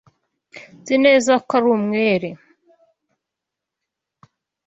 Nzi neza ko ari umwere.